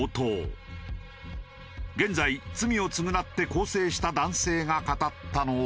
現在罪を償って更生した男性が語ったのは。